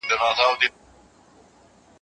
ما مخکي د سبا لپاره د نوي لغتونو يادونه کړې وه!.